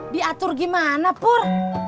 diatur gimana pur